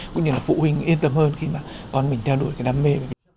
cũng như là phụ huynh yên tâm hơn khi mà con mình theo đuổi cái đam mê